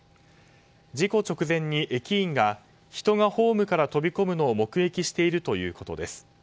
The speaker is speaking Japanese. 事故直前に駅員が人がホームから飛び込むのを目撃しているということです。